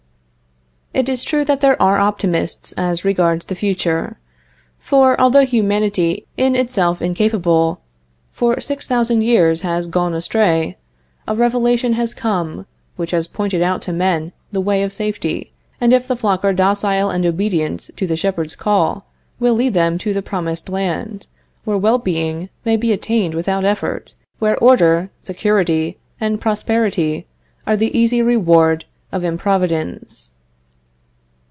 It is true that they are optimists as regards the future. For, although humanity, in itself incapable, for six thousand years has gone astray, a revelation has come, which has pointed out to men the way of safety, and, if the flock are docile and obedient to the shepherd's call, will lead them to the promised land, where well being may be attained without effort, where order, security and prosperity are the easy reward of improvidence.